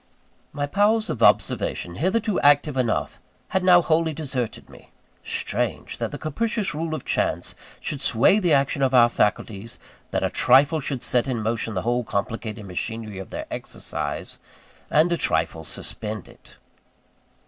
My powers of observation, hitherto active enough, had now wholly deserted me. Strange! that the capricious rule of chance should sway the action of our faculties that a trifle should set in motion the whole complicated machinery of their exercise, and a trifle suspend it.